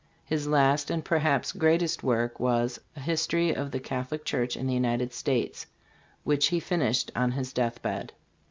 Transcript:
His last and perhaps greatest work was a " History of the Catholic Church in the United States," which he finished on his death bed.